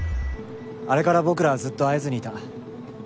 あれから僕らはずっと会えずにいた。